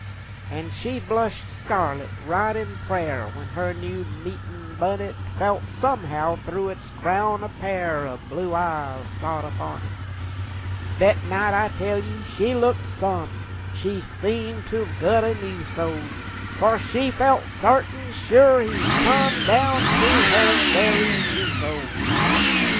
An' she'd blush scarlit, right in prayer, When her new meetin' bunnet Felt somehow thru' its crown a pair O' blue eyes sot upon it. Thet night, I tell ye, she looked some! She seemed to've gut a new soul, For she felt sartin sure he'd come, Down to her very shoe sole.